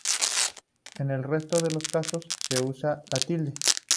En el resto de los casos se usa la tilde.